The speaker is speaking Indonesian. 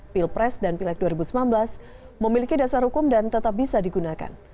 pilpres dan pilek dua ribu sembilan belas memiliki dasar hukum dan tetap bisa digunakan